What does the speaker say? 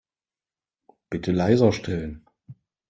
Bitte leiser stellen.